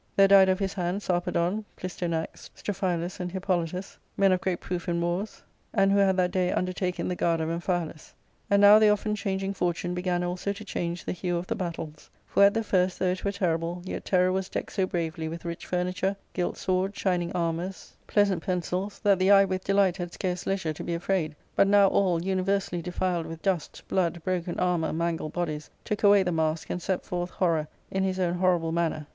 There died of his hand Sarpedon, Plistonax, Strophilus, and Hippolytus,* men of great proof in wars, and who had that day undertaken the guard of Amphialus. And now the often changing fortune began also to change the hue of the battles ;t for at the first, though it were terrible, yet terror was decked so bravely with rich furniture, gilt swords, shining armours, pleasant pensils,t that the eye with delight had scarce leisure to be afraid; but now all, universally /defiled with dust, blood, broken armour, mangled bodies, took away the mask, and set forth Horror in his own horrible manner.